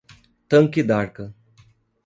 Tanque d'Arca